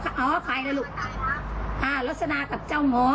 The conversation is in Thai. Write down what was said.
กับใครที่เศษอ่ะวะลักษณะกับเจ้าหงอ